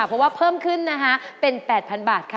เพราะว่าเพิ่มขึ้นนะคะเป็น๘๐๐๐บาทค่ะ